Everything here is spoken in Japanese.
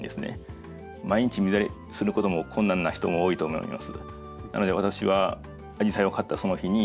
毎日水やりすることも困難な人も多いと思います。